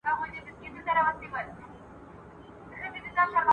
افغان نارینه د بهرنیو هیوادونو قانوني خوندیتوب نه لري.